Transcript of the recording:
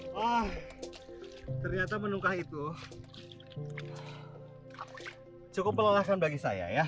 wah ternyata menungkah itu cukup melelahkan bagi saya ya